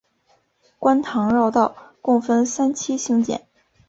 观塘绕道共分三期兴建。